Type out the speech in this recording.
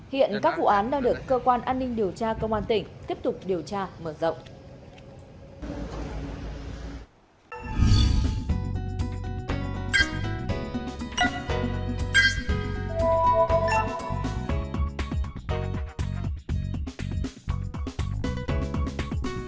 hiện các vụ án đang được cơ quan an ninh điều tra công an tỉnh tiếp tục điều tra mở rộng